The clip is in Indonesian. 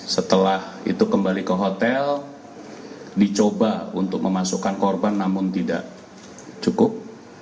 setelah itu kembali ke hotel dicoba untuk memasukkan korban namun tidak cukup